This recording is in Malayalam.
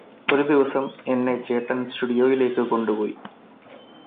ഒരു ദിവസം എന്നെ ചേട്ടന് സ്റ്റുഡിയോയിലേക്ക് കൊണ്ടുപോയി